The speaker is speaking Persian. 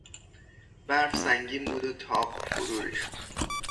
برف سنگین بود و تاق فرو ریخت.